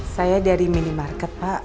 saya dari minimarket pak